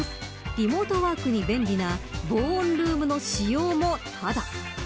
リモートワークに便利な防音ルームの使用もただ。